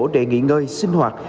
để nghỉ ngơi sinh hoạt